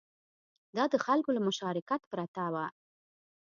دا د خلکو له مشارکت پرته و